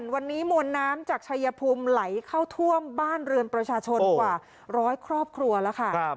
วันนี้มวลน้ำจากชายภูมิไหลเข้าท่วมบ้านเรือนประชาชนกว่าร้อยครอบครัวแล้วค่ะ